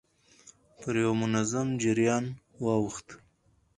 پر يوه منظم جريان واوښت.